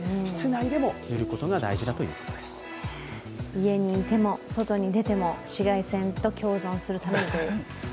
家にいても、外に出ても紫外線と共存するという。